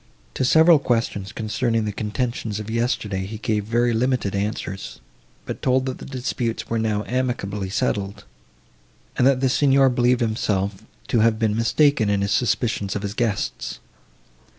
To several questions, concerning the contentions of yesterday, he gave very limited answers; but told, that the disputes were now amicably settled, and that the Signor believed himself to have been mistaken in his suspicions of his guests.